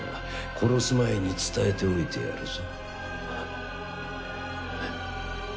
殺す前に伝えておいてやるぞ。